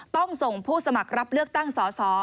ต้องส่งผู้สมัครรับเลือกตั้งสส